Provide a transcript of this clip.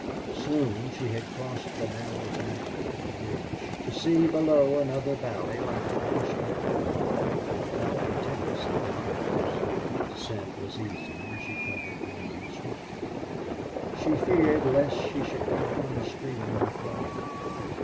Soon she had crossed the narrow back of the ridge, to see below another valley like the one she had left, but without the tents and fires. Descent was easy and she covered ground swiftly. She feared lest she should come upon a stream in flood.